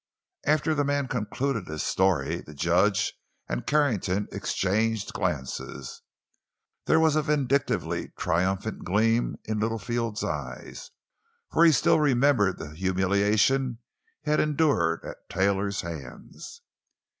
After the man concluded his story the judge and Carrington exchanged glances. There was a vindictively triumphant gleam in Littlefield's eyes, for he still remembered the humiliation he had endured at Taylor's hands.